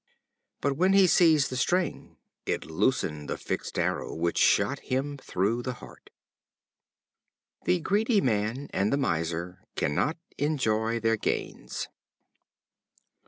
But when he seized the string it loosened the fixed arrow, which shot him through the heart. The greedy man and the miser cannot enjoy their gains.